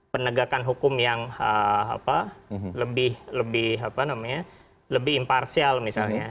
penegakan hukum yang lebih imparsial misalnya